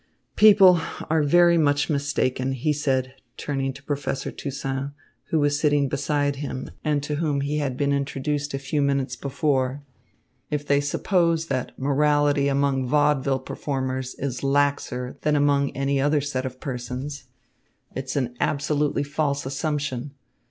"People are very much mistaken," he said, turning to Professor Toussaint, who was sitting beside him and to whom he had been introduced a few minutes before, "if they suppose that morality among vaudeville performers is laxer than among any other set of persons. It's an absolutely false assumption.